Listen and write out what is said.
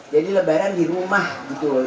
jadi lebaran di rumah gitu loh